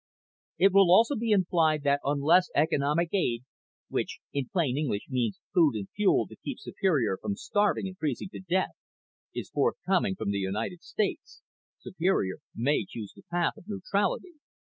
It will also be implied that unless economic aid which in plain English means food and fuel to keep Superior from starving and freezing to death is forthcoming from the United States, Superior may choose the path of neutrality